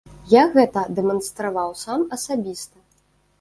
Я гэта дэманстраваў сам асабіста.